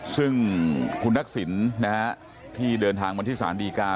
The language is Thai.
ซึ่งคุณทักษิณที่เดินทางมาที่ศาลดีกา